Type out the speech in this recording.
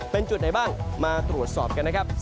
เป็นจุดไหนบ้างมาตรวจสอบกันนะครับ